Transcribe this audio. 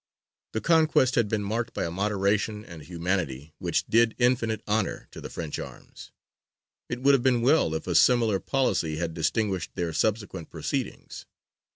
The conquest had been marked by a moderation and humanity which did infinite honour to the French arms; it would have been well if a similar policy had distinguished their subsequent proceedings.